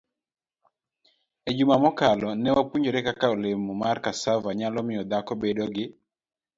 E juma mokalo, ne wapuonjore kaka olemo mar cassava nyalo miyo dhako obed gi